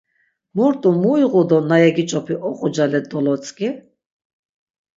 Mu rt̆u, mu iqu do na yegiç̌opi oqucale dolotzk̆i?